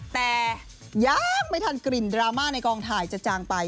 แต่ยังไม่ทันกลิ่นดราม่าในกองถ่ายจะจางไป